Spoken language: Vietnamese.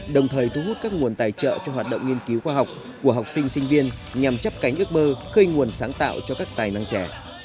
đồng thời thu hút các nguồn tài trợ cho hoạt động nghiên cứu khoa học của học sinh sinh viên nhằm chấp cánh ước mơ khơi nguồn sáng tạo cho các tài năng trẻ